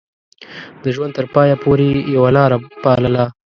د ژوند تر پايه پورې يې يوه لاره پالله.